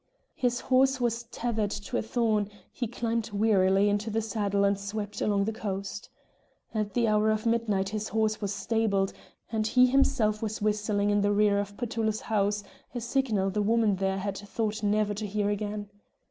His horse was tethered to a thorn; he climbed wearily into the saddle and swept along the coast. At the hour of midnight his horse was stabled, and he himself was whistling in the rear of Petullo's house, a signal the woman there had thought never to hear again.